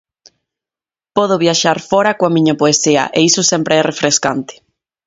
Podo viaxar fóra coa miña poesía e iso sempre é refrescante.